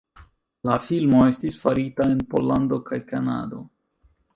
La filmo estis farita en Pollando kaj Kanado.